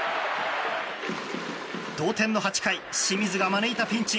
同点の８回清水が招いたピンチ。